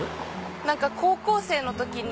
何か高校生の時に。